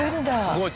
すごい。